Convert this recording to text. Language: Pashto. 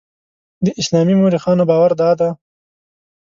د اسلامي مورخانو باور دادی.